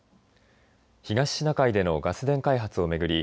東シナ海でのガス田開発を巡り